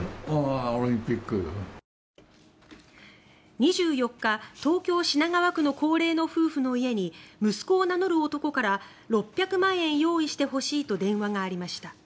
２４日、東京・品川区の高齢の夫婦の家に息子を名乗る男から６００万円用意してほしいと電話がありました。